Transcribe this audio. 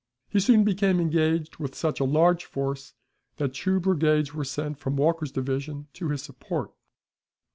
He soon became engaged with such a large force that two brigades were sent from Walker's division to his support.